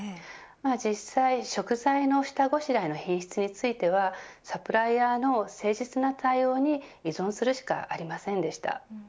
実際、食材の下ごしらえの品質についてはサプライヤーの誠実な対応に依存するしかありませんでした。